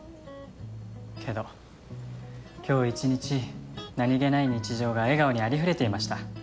けど今日一日何気ない日常が笑顔にありふれていました。